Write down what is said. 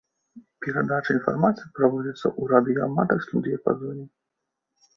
Перадача інфармацыі праводзіцца ў радыёаматарскім дыяпазоне.